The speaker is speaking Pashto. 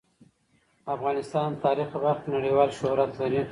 افغانستان د تاریخ په برخه کې نړیوال شهرت لري.